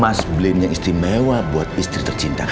mas brain yang istimewa buat istri tercinta